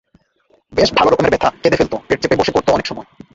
বেশ ভালো রকমের ব্যথা, কেঁদে ফেলত, পেট চেপে বসে পড়ত অনেক সময়।